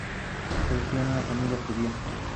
Es el principal centro de conexión de EgyptAir.